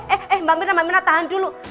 eh eh eh mbak mirna mbak mirna tahan dulu